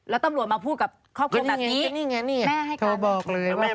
แล้วตำรวจมาพูดกับครอบครองแบบนี้